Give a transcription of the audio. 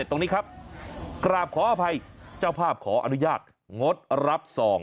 ตรงนี้ครับกราบขออภัยเจ้าภาพขออนุญาตงดรับซอง